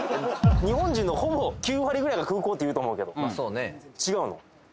日本人のほぼ９割ぐらいが空港って言うと思うけど違うの？